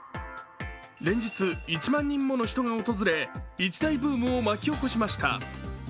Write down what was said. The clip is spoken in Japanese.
連日１万人もの人が訪れ、一大ブームを巻き起こしました。